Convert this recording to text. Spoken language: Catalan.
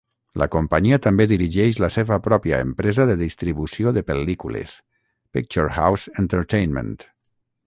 La companyia també dirigeix la seva pròpia empresa de distribució de pel·lícules, Picturehouse Entertainment.